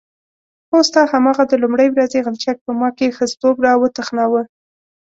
هو ستا هماغه د لومړۍ ورځې غلچک په ما کې ښځتوب راوتخناوه.